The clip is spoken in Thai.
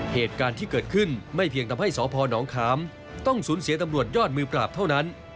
เหตุการณ์ที่เกิดขึ้นไม่เพียงทำให้สพนขามต้องสูญเสียตำรวจยอดมือปราบเท่านั้น